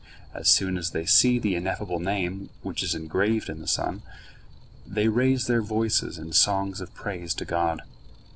As soon as they see the Ineffable Name, which is engraved in the sun, they raise their voices in songs of praise to God.